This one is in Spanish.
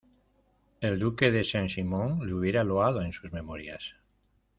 el Duque de Saint Simón le hubiera loado en sus Memorias